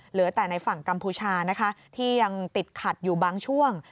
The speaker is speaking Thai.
เหลือแต่ในฝั่งกัมพูชานะคะที่ยังติดขัดอยู่บางช่วง